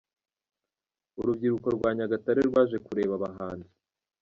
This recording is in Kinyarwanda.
Urubyiruko rwa Nyagatare rwaje kureba abahanzi.